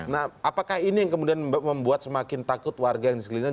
nah apakah ini yang kemudian membuat semakin takut warga yang di sekeliling